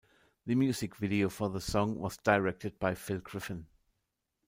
The music video for the song was directed by Phil Griffin.